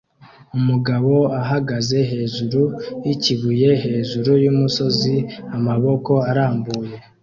Umugabo ahagaze hejuru yikibuye hejuru yumusozi amaboko arambuye